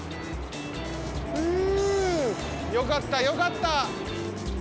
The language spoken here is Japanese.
ふうよかったよかった。